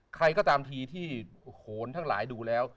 ใครก็ตามทีที่โหนทั้งหลายดูแล้ว